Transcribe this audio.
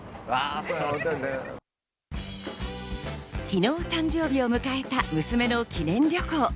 昨日、誕生日を迎えた娘の記念旅行。